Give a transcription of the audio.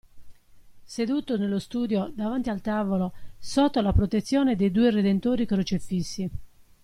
Seduto nello studio, davanti al tavolo, sotto la protezione dei due Redentori crocefissi.